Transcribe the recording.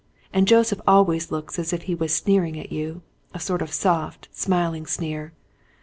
And Joseph always looks as if he was sneering at you, a sort of soft, smiling sneer.